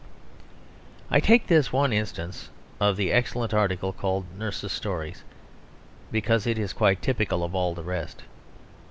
I take this one instance of the excellent article called "Nurse's Stories" because it is quite typical of all the rest.